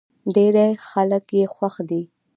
ډېری خلک يې خوښ دی.